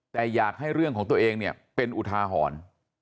แต่อยากให้เรื่องของตัวเองเป็นอุทาหอน